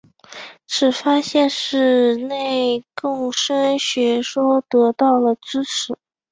此发现使内共生学说得到了支持。